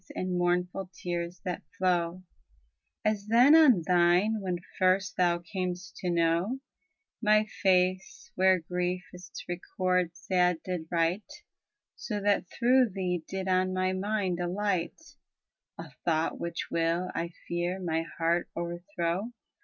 iii, 10, 14. 75 CANZONIERE As then on thine when first thou cam'st to know My face, where grief its record sad did write, So that through thee did on my mind alight A thought which will, 1 fear, my heart o'er throw.